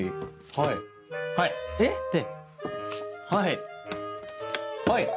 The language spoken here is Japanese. ではいはい。